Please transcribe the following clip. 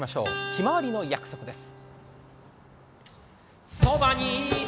「ひまわりの約束」です。